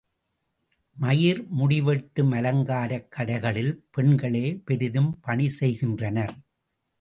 மயிர் முடி வெட்டும் அலங்காரக் கடைகளில் பெண்களே பெரிதும் பணி செய்கின்றனர்.